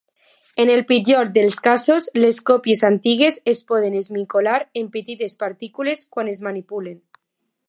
En el pitjor dels casos, les còpies antigues es poden esmicolar en petites partícules quan es manipulen.